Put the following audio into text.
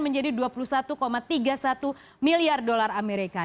menjadi dua puluh satu tiga puluh satu miliar dolar amerika